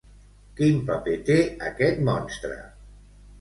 Quin paper té aquest monstre?